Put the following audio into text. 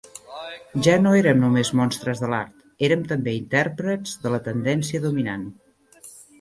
Ja no érem només monstres de l'art, érem també intèrprets de la tendència dominant.